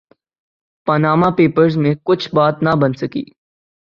Panama Papers میں کچھ بات نہ بن سکی۔